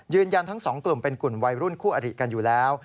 ทั้งสองกลุ่มเป็นกลุ่มวัยรุ่นคู่อริกันอยู่แล้ว